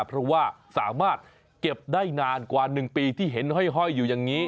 เพราะว่าสามารถเก็บได้นานกว่า๑ปีที่เห็นห้อยอยู่อย่างนี้